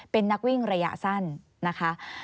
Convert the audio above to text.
เป็นนักวิ่งระยะสั้นนะคะ